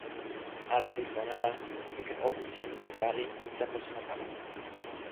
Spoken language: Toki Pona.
ale li pona la mi ken open sin e pali lon tenpo suno kama.